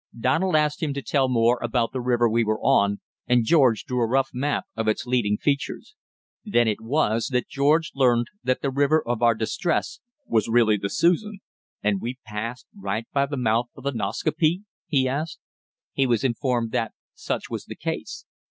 Donald asked him to tell more about the river we were on, and George drew a rough map of its leading features. Then it was that George learned that the river of our distress was really the Susan. "And we passed right by the mouth of the Nascaupee?" he asked. He was informed that such was the case.